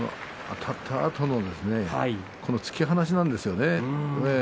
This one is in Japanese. あたったあとの突き放しなんですよね。